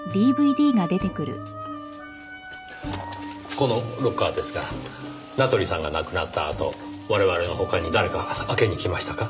このロッカーですが名取さんが亡くなったあと我々の他に誰か開けに来ましたか？